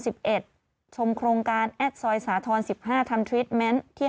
สิบเอ็ดชมโครงการแอดสอยสาธารสิบห้าทำทริปเมนต์ที่